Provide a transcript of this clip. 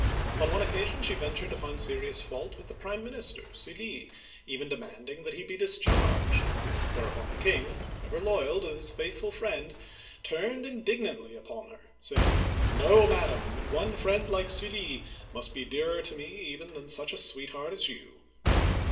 On one oc casion she ventured to find serious fault with the prime minister, Sully, even demanding that he be discharged; whereupon the king, ever loyal to this faithful friend, turned indignantly upon her, saying, "Know, Madam, that one friend like Sully must be dearer to me than even such a sweetheart as you